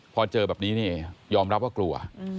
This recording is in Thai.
พอเจอแบบนี้นี่ยอมรับว่ากลัว